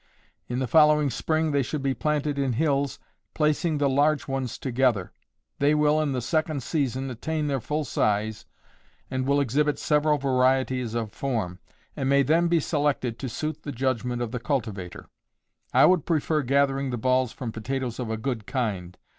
In the following spring they should be planted in hills, placing the large ones together, they will in the second season attain their full size, and will exhibit several varieties of form, and may then be selected to suit the judgment of the cultivator. I would prefer gathering the balls from potatoes of a good kind.